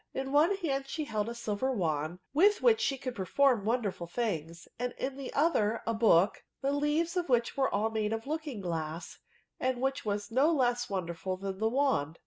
In one hand she held a silver wand with which she could perform wonderful things, and in the other, a book, the leaves of which were all made of looking glass, and which was no less wonderful than the wand.